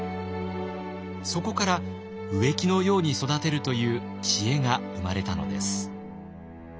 そこから「植木のように育てる」という知恵が生まれたのです。